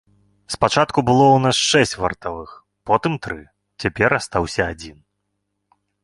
Спачатку было ў нас шэсць вартавых, потым тры, цяпер астаўся адзін.